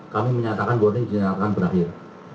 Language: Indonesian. kami menyatakan warning dinyatakan berakhir